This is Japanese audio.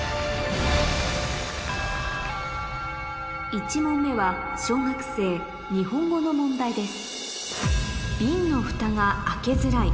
１問目は小学生の問題です